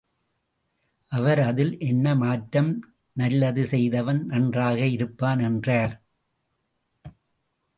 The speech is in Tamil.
அவர் அதில் என்ன மாற்றம் நல்லது செய்தவன் நன்றாக இருப்பான் என்றார்.